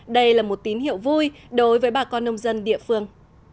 đây là một tín hiệu vui đối với bà con nông dân địa phương